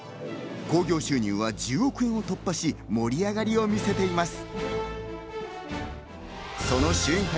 興行収入は１０億円を突破し、盛り上がりを見せています。